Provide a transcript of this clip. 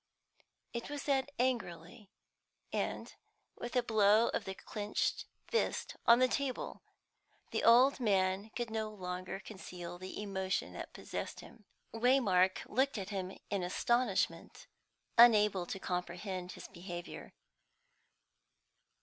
It was said angrily, and with a blow of the clenched fist on the table. The old man could no longer conceal the emotion that possessed him. Waymark looked at him in astonishment, unable to comprehend his behaviour.